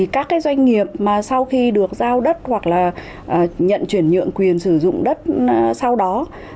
các doanh nghiệp sau khi được giao đất hoặc nhận chuyển nhượng quyền sử dụng đất sau đó